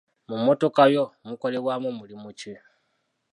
Mu mmotoka yo mukolebwamu mulimu ki?